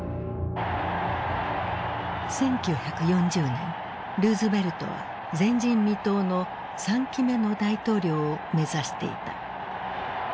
１９４０年ルーズベルトは前人未到の３期目の大統領を目指していた。